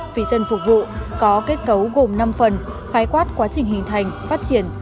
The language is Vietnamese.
vì dân phục vụ có kết cấu gồm năm phần khái quát quá trình hình thành phát triển